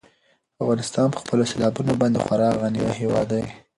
افغانستان په خپلو سیلابونو باندې خورا غني هېواد دی.